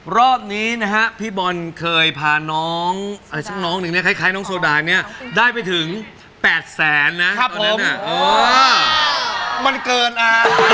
รอบนี้นะฮะพี่บอลเคยพาน้องสักน้องหนึ่งเนี่ยคล้ายน้องโซดาเนี่ยได้ไปถึง๘แสนนะครับผมมันเกินอ่ะ